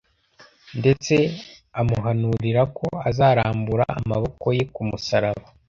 ndetse amuhanurira ko azarambura amaboko ye ku musaraba.